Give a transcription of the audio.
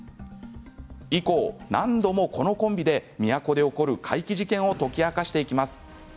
以降、何度もこのコンビで都で起こる怪奇事件を解き明かしていきます。